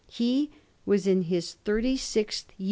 He was in his thirty sixth year.